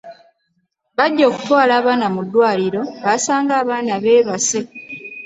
Bajja okutwala abaana mu ddwaliro baasanga abaana beebase.